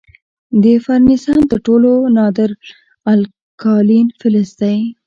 د فرنسیم تر ټولو نادر الکالین فلز دی.